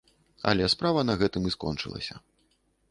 Але справа на гэтым і скончылася.